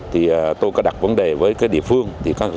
thì tôi có đặt vấn đề với các địa phương